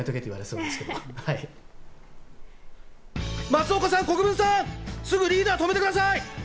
松岡さん、国分さん、すぐリーダーを止めてください！